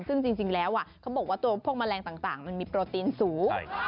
ซึ่งจริงแล้วเขาบอกว่าตัวพวกแมลงต่างมันมีโปรตีนสูง